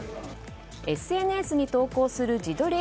ＳＮＳに投稿する自撮り